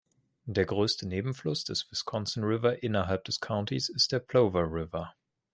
Der größte Nebenfluss des Wisconsin River innerhalb des Countys ist der Plover River.